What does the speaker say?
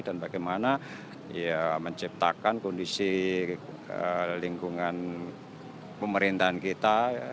dan bagaimana menciptakan kondisi lingkungan pemerintahan kita